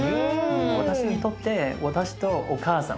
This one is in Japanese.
私にとって私とお母さん。